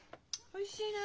おいしいな。